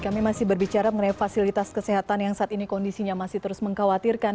kami masih berbicara mengenai fasilitas kesehatan yang saat ini kondisinya masih terus mengkhawatirkan